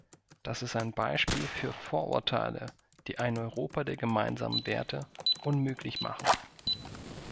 Das ist ein Beispiel für Vorurteile, die ein Europa der gemeinsamen Werte unmöglich machen.